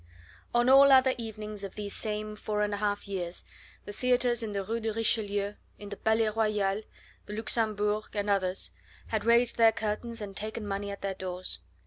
On all other evenings of these same four and a half years the theatres in the Rue de Richelieu, in the Palais Royal, the Luxembourg, and others, had raised their curtains and taken money at their doors.